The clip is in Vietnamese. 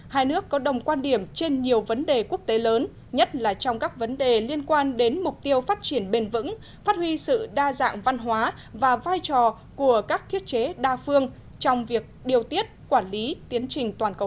hai nước có đồng quan điểm trên nhiều vấn đề quốc tế lớn nhất là trong các vấn đề liên quan đến mục tiêu phát triển bền vững phát huy sự đa dạng văn hóa và vai trò của các thiết chế đa phương trong việc điều tiết quản lý tiến trình toàn cầu